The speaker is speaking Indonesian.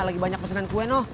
lagi banyak pesanan kue noh